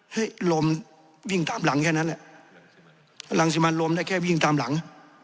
ลมวิ่งตามหลังแค่นั้นแหละรังสิมันลมได้แค่วิ่งตามหลัง